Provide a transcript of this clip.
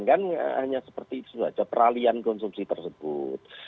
kan hanya seperti itu saja peralihan konsumsi tersebut